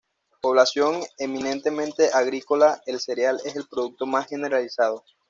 Población eminentemente agrícola, el cereal es el producto más generalizado.